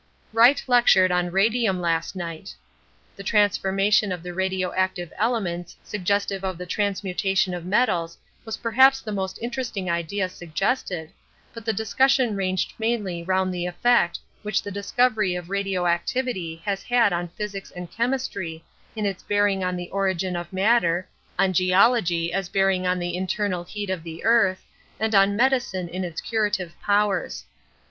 Wright lectured on radium last night. The transformation of the radio active elements suggestive of the transmutation of metals was perhaps the most interesting idea suggested, but the discussion ranged mainly round the effect which the discovery of radio activity has had on physics and chemistry in its bearing on the origin of matter, on geology as bearing on the internal heat of the earth, and on medicine in its curative powers.